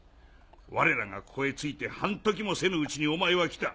我らがここへ着いて半刻もせぬうちにお前は来た。